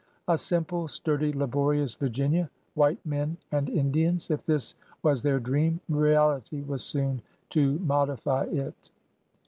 A simple, sturdy, laborious Virginia, white men and Indians — if this was their dream, reality was soon to modify it.